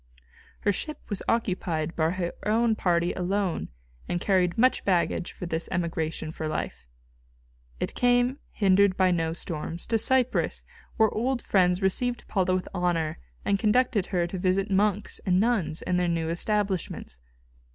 Her ship was occupied by her own party alone, and carried much baggage for this emigration for life. It came, hindered by no storms, to Cyprus, where old friends received Paula with honour, and conducted her to visit monks and nuns in their new establishments.